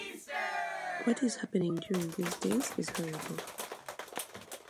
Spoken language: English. What is happening during these days is horrible.